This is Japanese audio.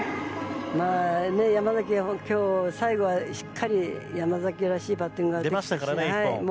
山崎、今日は最後はしっかり、山崎らしいバッティングが出たし。